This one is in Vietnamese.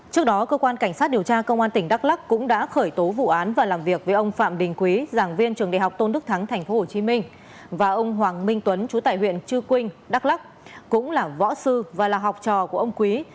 trước đó cơ quan cảnh sát điều tra công an tỉnh đắk lắc cũng đã khởi tố vụ án và làm việc với ông phạm đình quý giảng viên trường đại học tôn đức thắng tp hcm và ông hoàng minh tuấn chú tại huyện chư quynh đắk lắc cũng là võ sư và là học trò của ông quý